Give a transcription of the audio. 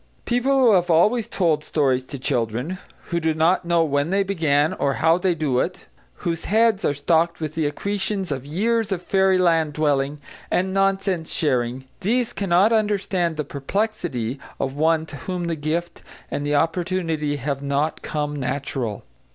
People who have always told stories to children, who do not know when they began or how they do it; whose heads are stocked with the accretions of years of fairyland dwelling and nonsense sharing, these cannot understand the perplexity of one to whom the gift and the opportunity have not "come natural."